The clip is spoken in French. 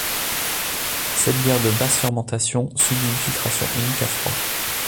Cette bière de basse fermentation subit une filtration unique à froid.